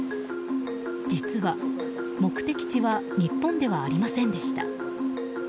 実は、目的地は日本ではありませんでした。